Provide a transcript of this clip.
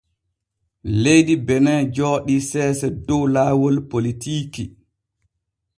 Leydi Benin jooɗi seese dow laawol politiiki.